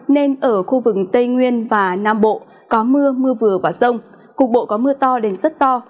nên ở khu vực tây nguyên và nam bộ có mưa mưa vừa và rông cục bộ có mưa to đến rất to